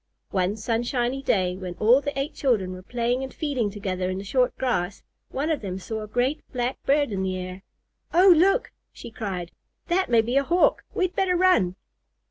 One sunshiny day, when all the eight children were playing and feeding together in the short grass, one of them saw a great black bird in the air. "Oh, look!" she cried. "That may be a Hawk. We'd better run."